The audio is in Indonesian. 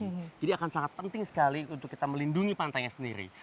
jadi akan sangat penting sekali untuk kita melindungi pantainya sendiri